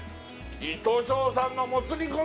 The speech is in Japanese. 糸庄さんのもつ煮込み